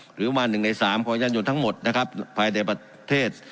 หรือประมาณหนึ่งในสามของยานยนต์ทั้งหมดนะครับภายในประเทศ